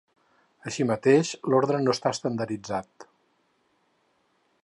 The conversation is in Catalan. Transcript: Així mateix, l'ordre no està estandarditzat.